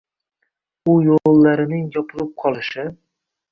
U yo’llarining yopilib qolishi.